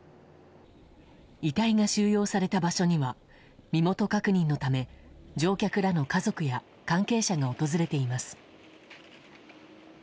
遺体が収容された場所には身元確認のため乗客らの家族や関係者が訪れています。